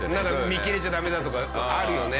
見切れちゃダメだとかあるよね。